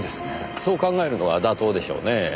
そう考えるのが妥当でしょうねえ。